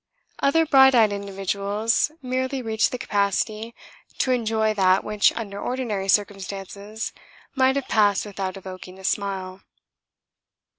Other bright eyed individuals merely reached the capacity to enjoy that which under ordinary circumstances might have passed without evoking a smile.